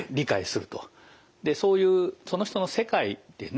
でそういうその人の世界ですね